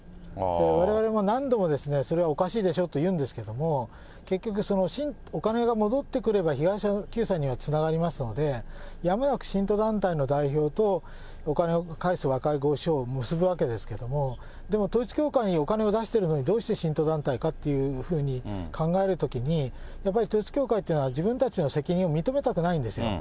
われわれも何度もそれはおかしいでしょって言うんですけれども、結局、お金が戻ってくれば被害者救済にはつながりますので、やむなく信徒団体の代表と、お金を返す和解合意書を結ぶわけですけれども、でも統一教会にお金を出してるのに、どうして信徒団体かと考えるときに、やっぱり統一教会というのは、自分たちの責任を認めたくないんですよ。